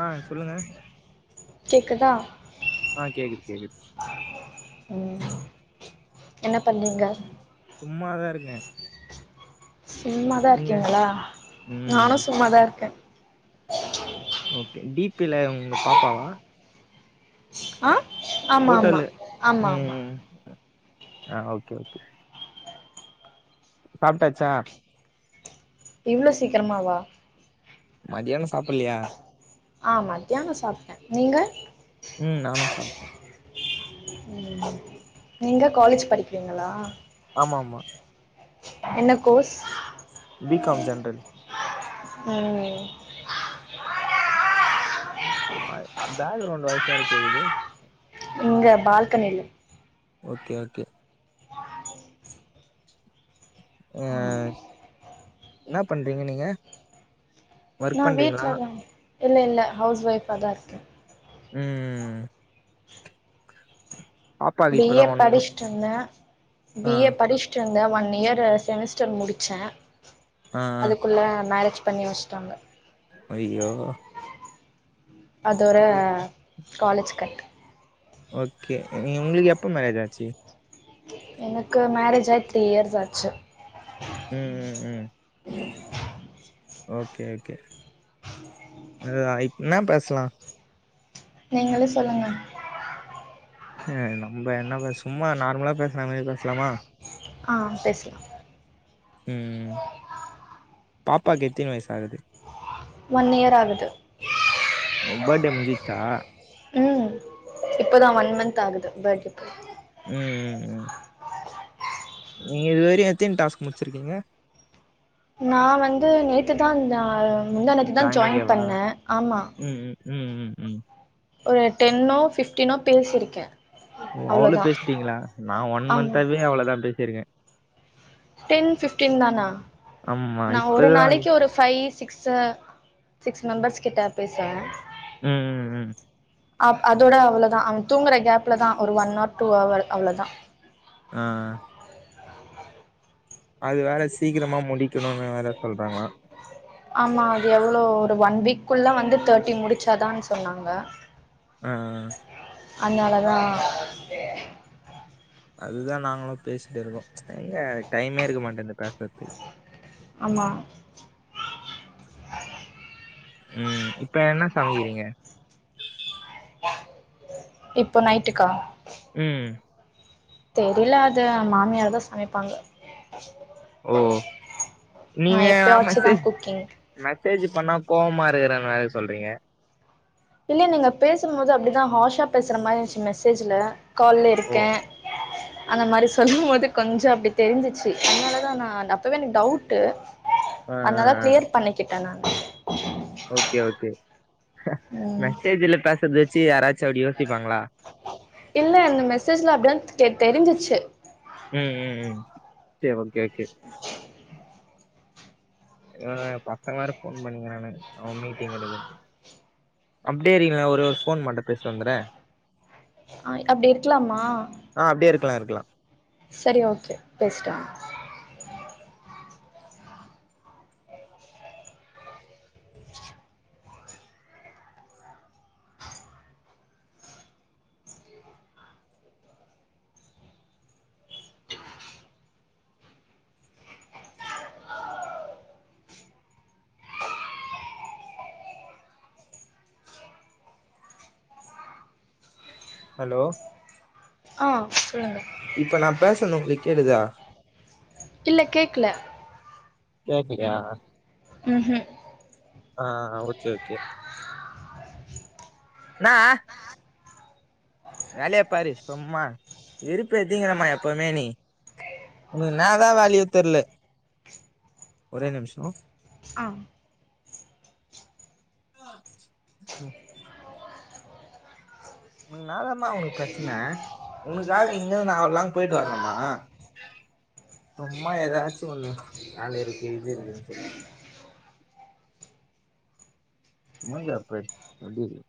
ஆ சொல்லுங்க கேக்குதா ஆ கேக்குது கேக்குது ம் என்ன பண்றிங்க சும்மாதா இருக்கே சும்மாதா நீங்க இருக்கீங்ளா ம் நானு சும்மாதா இருக்கே ஓகே டீ பில உங்க பாப்பாவா ஆ ஆமா ஆமா ஃபோட்டோல ஆமா ஆமா ம் ஆ ஓகே ஓகே சாப்ட்டாச்சா இவ்ளோ சீக்கிரமாவா மதியானோ சாப்பிட்லையா ஆ மத்தியானொ சாப்ட்டே நீங்க ம் நானு சாப்ட்டே ம் நீங்க காலேஜ் படிக்கிறீங்களா ஆமா ஆமா என்ன கோர்ஸ் பிகாம் ஜென்ரல் ம் ஆ பேக்ரவுண்ட் வாய்ஸ் வெற கேக்குது இங்க பால்கனில ஓகே ஓகே ஆ இன்னா பண்றீங்க நீங்க ஒர்க் நா பண்றீங்களா வீட்லதா இல்ல இல்ல ஹவுஸ் ஒய்ஃபா தா இருக்கே ம் பாப்பாக்கு பி இப்பதா ஏ ஒன் படிச்ட்ருந்த ஆ பி ஏ படிச் ட்ருந்த ஒன் இயர் செமிஸ்டர் முடிச்சே ஆ அ குள்ள மேரேஜ் பண்ணி வெச்ட்டாங்க ஐயோ அதோற காலேஜ் கட் ஓகே நீ உங்களுக்கு எப்ப மேரேஜ் ஆச்சு எனக்கு மேரேஜ் ஆய் த்ரீ இயர்ஸ் ஆச்சு ம் ம் ம் ஓகே ஓகே இ ஆ இன்னா பேச்லா நீங்களே சொல்லுங்க நம்ம என்ன பே சும்மா நார்மலா பேச்ற மாரி பேச்லாமா ஆ பேச்லா ம் பாப்பாக்கு எத்தி வயசு ஆகுது ஒன் இயர் ஆகுது பேட்டே முஞ்சுச்சா ம் இப்பதா ஒன்மந்த் ஆகுது பேட்டே ம் ம் நீங்க இதுவரையூ எத்தின் டாஸ்க் முடிச்சிர்க்கீங்க நா வந்து நேத்துதா ஜா இ முந்தாநேத்து தா ஜாயின் ஜாயினிங்கேவா பண்ணெ ஆம்மா ம் ம் ம் ம் ஒரு டென்னோ ஃபிஃப்டீன்னோ பேசிர்க்கே ஓ அவ்வளோ பேசிட்டீங்களா நா ஒன் ஆமா மந்த்தாவே அவ்ளோதா பேசிருக்கே டென் ஃபிஃப்டீன் தானா ஆமா நா ஒரு இப்பதா நாளைக்கு ஒரு ஃபைவ் சிக்ஸ்ஸ சிக்ஸ் மெம்பர்ஸ் கிட்ட பேசுவ ம் ம் ம் அப் அதோட அவ்ளொதா அவ தூங்குற கேப்ல தா ஒரு ஒன் ஆர் டூ ஹவர் அவ்வளதா அ அது வேற சீக்கிரமா முடிக்கணுன்னு வேற சொல்றாங்க [inaudible] ஆம்மா அது எவ்ளோ ஒரு ஒன் வீக்குள்ள வந்து தேர்ட்டி முடிச்சாதான் சொன்னாங்க ம் ம் அன்னாலதா அதுதா நாங்களு பேசிட்டுருக்கோ எங்க டைமே இருக்க மாட்டென்து பேசற்துக் ஆம்மா ம் இப்ப என்ன சமக்கிறீங்க இப்ப நைட்டுக்கா ம் தெரியில அது மாமியாருதா சமைப்பாங்க ஓ நா நீங்க ஆ எப்பயாச்சுதா மெசேஜ் குக்கிங் மெசேஜ் பண்ணா கோவம்மா இருக்கறன் வேற சொல்றீங்க இல்ல நீங்க பேசும்மோது அப்டிதா ஹாஷ்ஷா பேசுற மாரி இருச்சு மெசேஜ்ஜுல்ல கால்ல ஓ இருக்கே [inaudible] அந்த மாரி சொல்லும்மோது கொஞ்சொ அப்டி தெரிஞ்சுச்சு அனாலதா நான் அப்பவே எனக் டவுட்டு ஆ ஆ அனால கிளியர் பண்ணிக்கிட்டே நான்னு ஓக்கே ஓக்கே ஹ ம் மெசேஜ்ஜுல்ல பேசற்து வெச்சு யாராச்சு அப்டி யோசிப்பாங்களா இல்ல அந்த மெசேஜ்ல அப்டிதா தெ தெரிஞ்சிச்சு ம் ம் ம் செர் ஓக்கே ஓக்கே அ பசங் வேற ஃபோன் பண்ணிணே நானு அவன் மீட்டிங் இடுத்துன்னு அப்டே இருக்கிங்களா ஒரே ஒரு ஃபோன் மட்டு பேசின் வந்துறே அ அப்டி இருக்லாம்மா அ அப்டே இருக்கலா இருக்கலா சரி ஓக்கே பேஸிட்டு வாங்க ஹலோ ஆ சொல்லுங்க இப்ப நா பேஸன்து உங்களுக் கேக்குதா இல்ல கேக்ல கேக்குல்லியா உம்ஹூம் ஆ ஆ ஓகே ஓகே வேலைய பாரு சும்மா விருப்பு ஏத்தீங்களம்மா எப்பவுமே நீ ஒரே நிம்ஷோ ஆ ஆஹ் ம் உன நாதாமா உனக்கு பிரச்சனை உனக்காக இங்கிருந்து நான் அவ்ளோலாங் போயிட்டு வரணுமா சும்மா ஏதாச்சும் ஒண்ணு ஆல இருக்கு இது இருக்குன் சொல்ட் மூஞ்சப்பார் எப்படி இருக்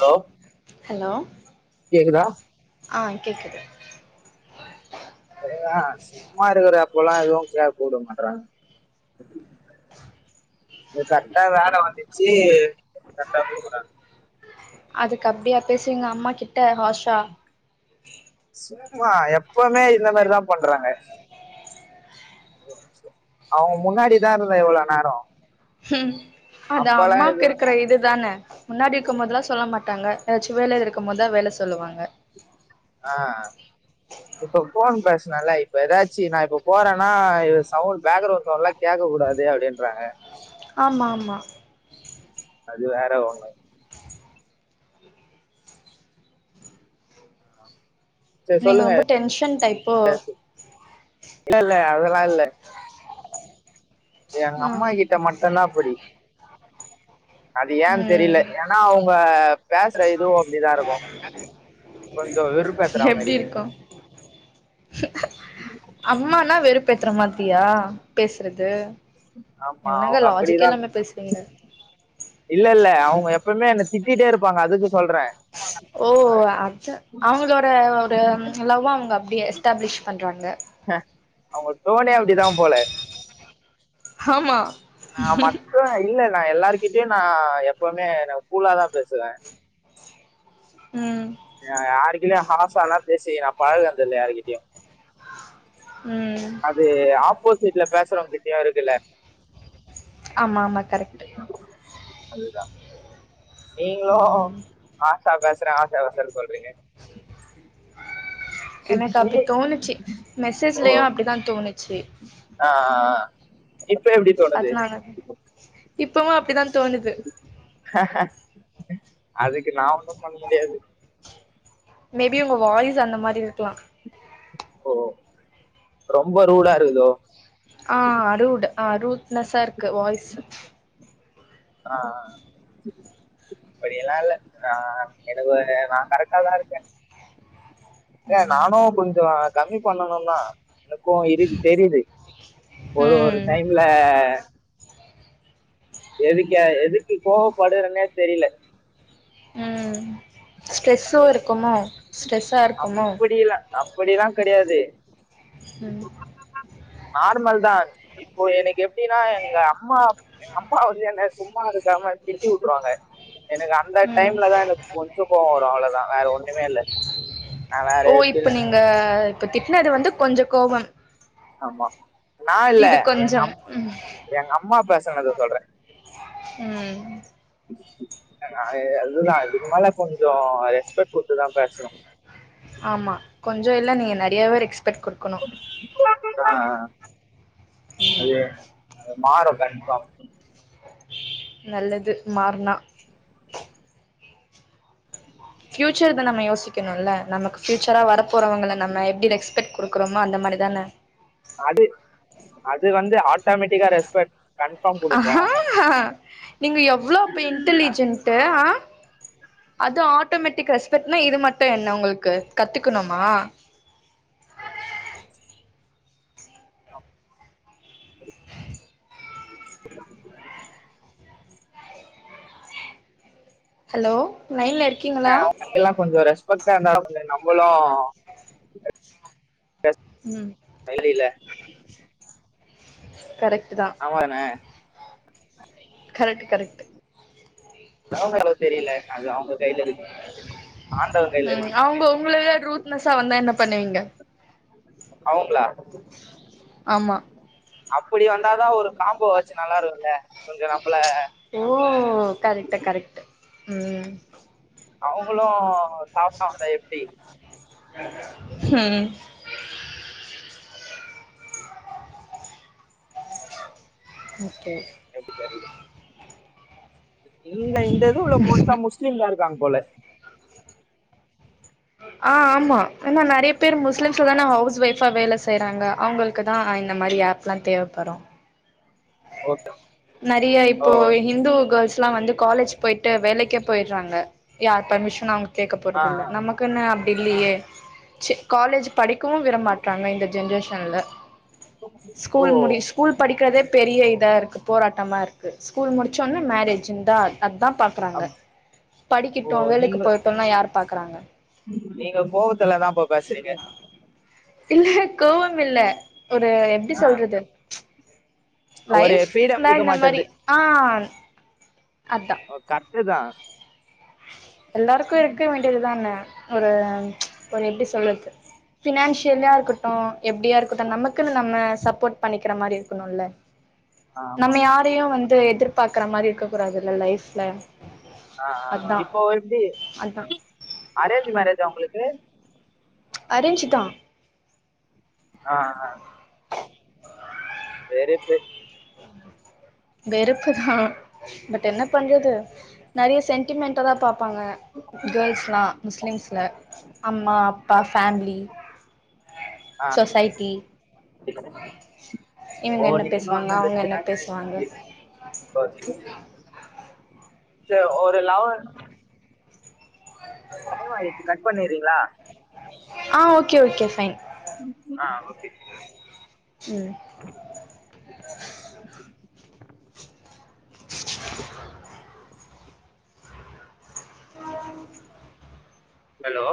ஹலோ ஹலோ கேக்குதா ஆ கேக்குது அதுதா சும்மா இருக்கிற அப்பல்லா எதுவு கேக் கூட மாட்றாங்க இது கர்ட்டா வேல வந்துச்சு கர்ட்டா கூப்புறாங்க அதுக்கு அப்டியா பேசுவிங்க அம்மா கிட்ட ஹாஷா சும்மா எப்பவுமே இந்த மாரிதா பண்றாங்க [unintelligible] அவுங்க முன்னாடிதா இருந்த இவ்ளோ நேரோ ம் அது அப்பல்லா அம்மாக்கு எதுவு இருக்குற இதுதான முன்னாடி இருக்கும்போதெல்லா சொல்ல மாட்டாங்க எதாச்சு வேலல இருக்கும்போதா வேல சொல்லுவாங்க ஆ இப்ப ஃபோன் பேசுனா இப்ப எதாச்சு நா இப்ப போறேனா இ சவுண்ட் பேக்ரவுண்ட் சவுண்ட்லா கேக்க கூடாது அப்டின்றாங்க ஆமா ஆமா அது வேற ஒன்னு சரி நீங்க சொல்லுங்க ரொம்ப டென்ஷன் டைப்போ இல்ல இல்ல அதெல்லா இல்ல எங்க ஆ அம்மா கிட்ட மட்டுந்தா அப்படி அது ஏன் தெரில ம் ஏனா அவுங்க பேசுற இதுவு அப்டிதா இருக்கு கொஞ்சோ வெறுபேத்துற எப்டி மாரி இருக்கு அம்மானா வெறுப்பேத்துற மாத்ரியா பேசுறது ஆமா என்னங்க அவங்க லாஜிக்கே அப்படிதான் இல்லாமே பேசுறீங்க இல்ல இல்ல அவுங்க எப்பவுமே என்ன திட்டிட்டே இருப்பாங்க அதுக்கு சொல்றே ஓ அத அவுங்களோட ஒரு ம் லவ்வ அவுங்க அப்டி எஸ்டாப்ளிஷ் பண்றாங்க அவங்க டோனே அப்டிதா போல ஆமா நா மத்த இல்ல நா எல்லாருகிட்டியு நா எப்பவ்மே நா கூலாதா பேசுவே ம் நா யாருகிட்டயு ஹாசால்லா பேசி நா பழகந்தில்ல யாருகிட்டியு ம் அது ஆப்போசிட்ல பேசுறவங்கிட்டியு இருக்குல ஆமா ஆமா கரெக் அதுதா நீங்களு ம் ஹா அபாச ஆசா சொல் சொ சொல்ரிங்க எனக்கு நீ அப்டி தோணுச்சு மெசேஜ்லயு அப்டி தா தோணுச்சு ஆ ஆ ஆ அதுனால இப்பவு அப்டிதா தோணுது அதுக்கு நா ஒன்னு பண்ண முடியாது மேபி ஒங்க வாயிஸ் அந்த மாரி இருக்கலா ஓ ரொம்ப ரூடா இருக்குதோ ஆ அரூட் அ அரூட்னஸ்ஸா இருக்கு வாய்ஸு ஆ ஆ அப்படி எல்லா இல்ல ஆ எனக்கு ஒரு நா கரெக்டா தா இருக்கே ஏ நானு கொஞ்சோ கம்மி பண்ணனுந்தா எனக்கு இருது தெரிது ஒரு ஒரு ம் டைம்ல எதுக்க எதுக்கு கோபப்படுறேனே தெரியல ம் ஸ்ட்ரெஸ்ஸு அது இருக்குமோ ஸ்ட்ரெஸ்ஸா இருக்குமோ புரியல அப் அப்படியெலா கெடயாது ம் நார்மல் தா இப்போ எனக்கு எப்டின்னா எங்க அம்மா எங்க அம்மா வந்து என்ன சும்மா இருக்காம திட்டி விட்ருவாங்க எனக்கு அ அந்த ம் டைம்ல தா எனக்கு கொஞ்சோ கோவ வரு அவ்ளதா வேற ஒன்னுமே இல்ல ஓ இப்ப நீங்க திட்னது வந்து கொஞ்சோ கோபம் ஆமா நா இல்ல இது கொஞ்சம் எங்கம் ம் எங்க அம்மா பேசுனத சொல்றே உம் அதுதா இதுக்கு மேல கொஞ்சோ ரெஸ்பெக்ட் குடுத்து தா பேசனு ஆமா கொஞ்சோ இல்ல நீங்க நெறயாவே ரெக்ஸ்பெக்ட் குடு க்கனு ஆ ஆ அது மாறு கண்ஃபாம் நல்லது மாறுனா பியூச்சர் த நம்ம யோசிக்கணுல்ல நமக்கு பியூச்சரா வர போறவங்கள நம்ம எப்டி ரெஸ்பெட்க்டு குடுக்குறோமோ அந்த மாரி தான அது அது வந்து ஆட்டோமேட்டிக்கா ரெஸ்பெக்ட் கன்ஃபார்ம் அஹ கொடுக்கும் ஹ ஹ நீங்க எவ்ளோ அப்ப இன்டலிஜென்ட்டு அது ஆட்டோமேட்டிக் ரெஸ்பெக்ட்னா இது மட்டு என்ன ஒங்களுக்கு கத்துக்கணுமா ஹலோ லைன் ல அவுங்க எல்லா கொஞ்சோ ரெஸ்பெக்டா இருந்தா தா கொஞ்சோ நம்மளு உம் கைல இல கரெக்ட்டு தா அவ்ளோ தான கரெக்ட்டு கரெக்ட்டு அவுங்க அவு தெரில அது அவுங்க கைல இருக்கு ஆண்டவ கைல இருக்கு அவுங்க உங்களதா ரூத் ன்னசா வந்தா என்ன பணணுவீங்க அவுங்ளா ஆமா அப்புடி வந்தாதா ஒரு காம்போ வாச்சு நல்லாருக்குல்ல கொஞ்சோ நம்மள ஓ கரெக்ட்டு கரெக்ட்டு ம் அவுங்களு சாப்டாங்க எப்டி ம் ஓகே இல்ல இந்த இது உள்ள மோஸ்ட்டா முஸ்லீம் தா இருக்காங்க போல ஆ ஆமா ஆனா நறையா பேர் முஸ்லிம்ஸ்ல தான ஹவுஸ் ஒய்ஃபா வேல செய்யறாங்க அவுங்களுக்கு தா இந்த மாரி ஏப் லாம் தேவப்படு ஓகே நறையா ஓ இப்போ ஹிந்து கோள்ஸ் எல்லா வந்து காலேஜ் போயிட்டு வேலைக்கே போயிறாங்க யார் பர்மிசனு அவுங்க கேக்க ஆ போறது இல்ல ஆ நம்மக் நமக்குன்னு அப்டி இல்லியே ச்சு காலேஜ்ஜு படிக்கவு விடமாற்றாங்க இந்த ஜென்ரேஷன்ல ஓ ஸ்கூல் முடி ஸ்கூல் படிக்கிறதே பெரிய இதா இருக்கு போராட்டமா இருக்கு ஸ்கூல் முடுச்ச ஒன்னே மெரேஜ்ஜுன் அதாம் பாக் க்கறாங்க அப் ஓ படிக்கிட்டு வேலைக்கு போயிர்டுன்லா யார் பாக்குறாங்க ம் நீங்க கோவத்துலதா அப்போ பேசுறீங்க இல்ல கோவம் இல்ல ஒரு எப்டி ஆ சொல்றது ஒரு லைஃப் ஃப்ரீடம் னா இருக்க இந்த மாரி மாட்டேன்து ஆன் அதா ஓ கத்துதா எல்லாருக்கு இருக்க வேண்டியதுதான ஒரு ஒரு எப்டி சொல்லுறது ஃபினேன்ஷியலா இருக்கட்டு எப்டியா இருக்கட்டு நமக்குன்னு நம்ம சப்போட் பண்ணிக் இருக்குற மாரி இருக்கணுல்ல ஆ ஆமா நம்ம ஆமா யாரையு வந்து எதிர்ப் பாக்கற மாரி இருக்க கூடாது இல்ல லைஃப்ல ஆ ஆ அதா இப்போ எப்டி அதா அரேஞ்சு மேரேஜா உங்களுக்கு அரேஞ்சுதா ஆ ஆ சேரிப்பே வெறுப்புதா பட் என்ன பண்றது நறைய சென் சென்டிமெண்டாதா பாப்பாங்க கோள்ஸ்லா முஸ்லிம்ஸ்ல அம்மா அப்பா ஃபேமிலி ஆ சொசைட்டி ஓ இவங்க ஓ என்ன நீங்க இன்னு பேசுவாங்க அத [inaudible] அவங்க என்ன பேசுவாங்க [unintelligible] ந்து ஒரு லெவல் அ [unintelligible] டைமாயிடுச்சு கட் பண்ணிறீங்களா ஆ ஓகே ஓகே ஃபைன் ஆ ஓகே ம் அலோ